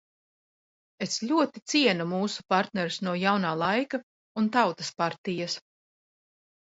"Es ļoti cienu mūsu partnerus no "Jaunā laika" un Tautas partijas."